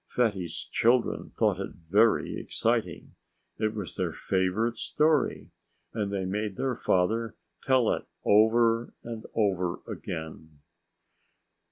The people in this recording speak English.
Fatty's children thought it very exciting. It was their favorite story. And they made their father tell it over and over again.